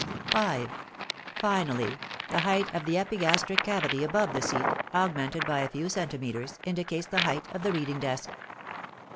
5. Finally, the height of the epigastric cavity above the seat, augmented by a few centimeters, indicates the height of the reading desk.